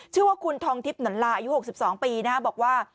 ชื่อว่าคุณทองทิพย์หนันลาอายุ๖๒ปีบอกว่า